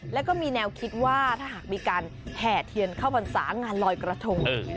แล้วก็มีแนวคิดว่าถ้าหากมีการแห่เทียนเข้าพรรษางานลอยกระทง